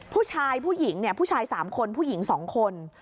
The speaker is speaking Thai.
ผู้ชายผู้หญิงเนี่ยผู้ชาย๓คนผู้หญิง๒คน